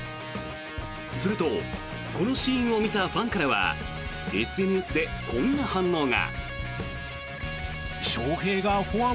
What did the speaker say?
するとこのシーンを見たファンからはＳＮＳでこんな反応が。